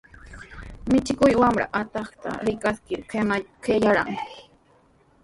Michikuq wamra atuqta rikaskir qayararqan.